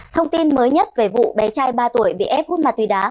thông tin mới nhất về vụ bé trai ba tuổi bị ép hút mặt tùy đá